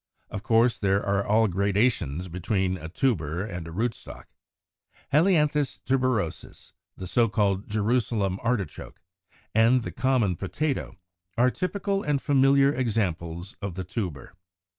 Of course, there are all gradations between a tuber and a rootstock. Helianthus tuberosus, the so called Jerusalem Artichoke (Fig. 101), and the common Potato, are typical and familiar examples of the tuber.